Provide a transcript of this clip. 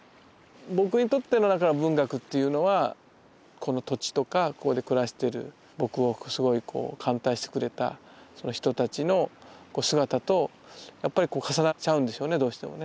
僕にとってのだから文学っていうのはこの土地とかここで暮らしてる僕をすごい歓待してくれた人たちの姿とやっぱり重なっちゃうんですよねどうしてもね。